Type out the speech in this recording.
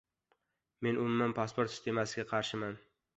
Men umuman pasport sistemasiga qarshiman.